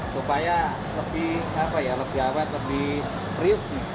supaya lebih apa ya lebih awet lebih kriuk